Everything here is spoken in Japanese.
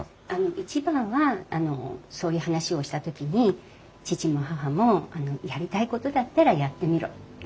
一番はそういう話をした時に義父も義母もやりたいことだったらやってみろって。